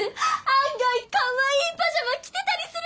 案外かわいいパジャマ着てたりするのかな！？